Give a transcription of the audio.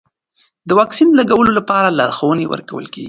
د واکسین لګولو لپاره لارښوونې ورکول کېږي.